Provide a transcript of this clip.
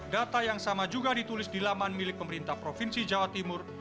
data yang sama juga ditulis di laman milik pemerintah provinsi jawa timur